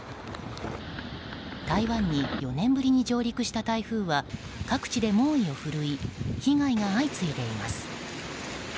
台湾に４年ぶりに上陸した台風は各地で猛威を振るい被害が相次いでいます。